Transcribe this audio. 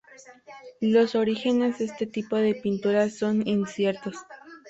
Los orígenes de este tipo de pintura son inciertos.